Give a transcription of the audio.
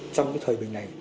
trong cái thời bình này